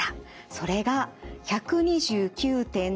それが１２９．７に減少。